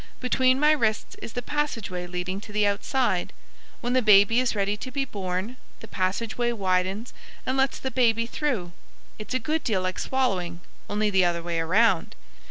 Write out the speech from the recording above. "Between my wrists is the passageway leading to the outside. When the baby is ready to be born, the passageway widens and lets the baby through. It's a good deal like swallowing, only the other way around.